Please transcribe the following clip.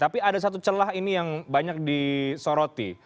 tapi ada satu celah ini yang banyak disoroti